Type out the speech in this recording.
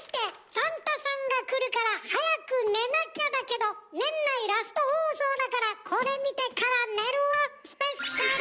「サンタさんが来るから早く寝なきゃだけど年内ラスト放送だからこれ見てから寝るわスペシャル」！